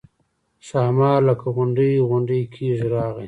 ښامار لکه غونډی غونډی کېږي راغی.